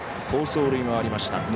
好走塁もありました。